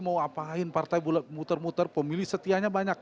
mau apain partai muter muter pemilih setianya banyak